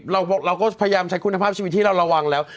เราก็พยายามใช้คุณภาพชีวิตที่เราระวังแล้ว